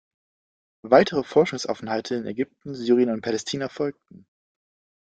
Weitere Forschungsaufenthalte in Ägypten, Syrien und Palästina folgten.